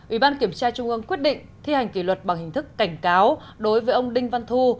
ủy ban kiểm tra trung ương quyết định thi hành kỷ luật bằng hình thức cảnh cáo đối với ông đinh văn thu